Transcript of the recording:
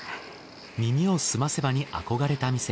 『耳をすませば』に憧れた店